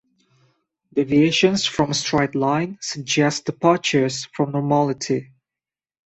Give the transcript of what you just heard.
Deviations from a straight line suggest departures from normality.